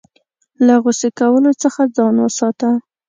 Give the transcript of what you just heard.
له غوسې کولو څخه ځان وساته .